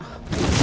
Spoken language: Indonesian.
wah itu kan